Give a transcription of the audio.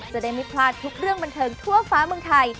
จะได้ไม่พลาดทุกเรื่องบันเทิงทั่วฟ้าเมืองไทย